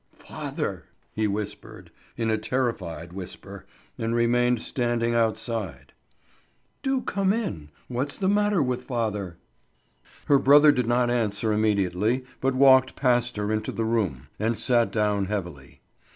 "Father!" he whispered in a terrified whisper, and remained standing outside. "Do come in! What's the matter with father?" Her brother did not answer immediately, but walked past her into the room, and sat down heavily.